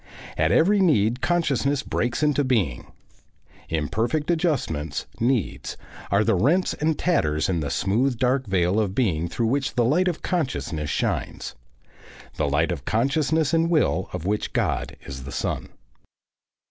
At every need consciousness breaks into being. Imperfect adjustments, needs, are the rents and tatters in the smooth dark veil of being through which the light of consciousness shines the light of consciousness and will of which God is the sun.